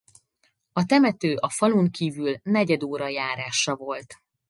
A temető a falun kívül negyed óra járásra volt.